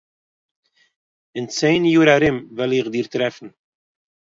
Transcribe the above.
אין צען יאר ארום וועל איך דיך טרעפן